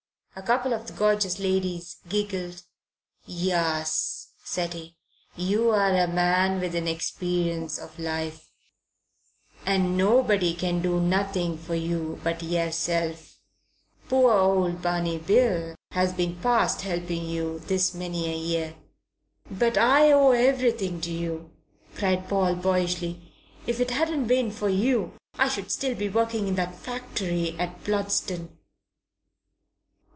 A couple of the gorgeous ladies giggled. "Yuss," said he, "you're a man with an experience of life and nobody can do nothing for you but yerself. Poor old Barney Bill has been past helping you this many a year." "But I owe everything to you!" cried Paul, boyishly. "If it hadn't been for you, I should still be working in that factory at Bludston."